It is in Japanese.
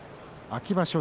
秋場所